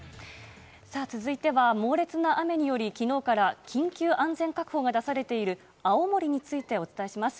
続いては猛烈な雨により、昨日から緊急安全確保が出されている青森についてお伝えします。